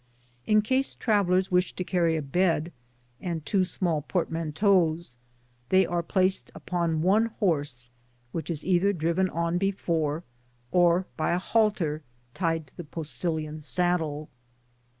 In case travellers wish to carry a bed and two small portmanteaus, they are placed upon one horse, which is either driven on before, or, by a halter, tied to the posti lion^s saddle.